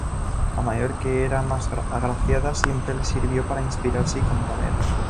La mayor que era más agraciada, siempre le sirvió para inspirarse y componer.